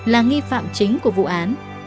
là nghi phạm chính của vụ án